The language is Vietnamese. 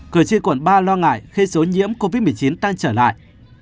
cửa chi cuộn ba lo ngại khi số nhiễm covid một mươi chín tan trở lại